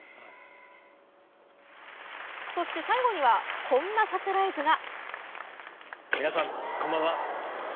そして最後にはこんなサプライズが！